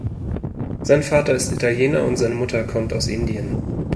Sein Vater ist Italiener und seine Mutter kommt aus Indien.